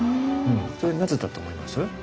それなぜだと思います？